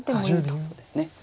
そうですね。